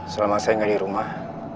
selama saya nggak di rumah